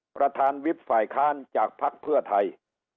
ประธานวิบฝ่ายค้านจากภักดิ์เพื่อไทย